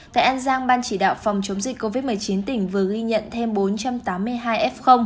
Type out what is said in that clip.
tại an giang ban chỉ đạo phòng chống dịch covid một mươi chín tỉnh vừa ghi nhận thêm bốn trăm tám mươi hai f